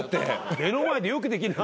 目の前でよくできるな。